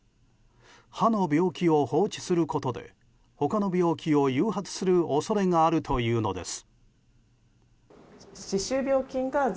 歯の病気を放置することで他の病気を誘発する恐れがあるというのです。